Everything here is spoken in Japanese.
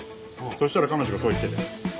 そしたら彼女がそう言ってて。